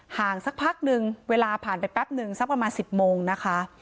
สักพักนึงเวลาผ่านไปแป๊บนึงสักประมาณ๑๐โมงนะคะ